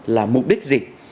là mục đích gì